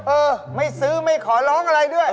เออไม่ซื้อไม่ขอร้องอะไรด้วย